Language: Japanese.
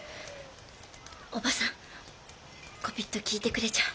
おばさんこぴっと聞いてくれちゃ。